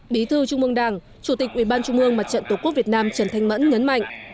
bí thư trung mương đảng chủ tịch ủy ban trung ương mặt trận tổ quốc việt nam trần thanh mẫn nhấn mạnh